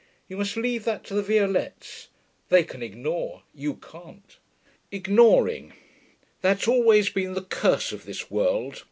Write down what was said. You must leave that to the Violettes. They can ignore. You can't.... Ignoring: that's always been the curse of this world.